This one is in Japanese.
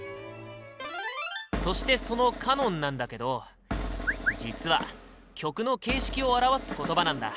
そしてその「カノン」なんだけど実は曲の形式を表す言葉なんだ。